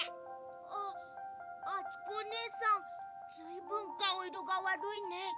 「ああつこおねえさんずいぶんかおいろがわるいね」。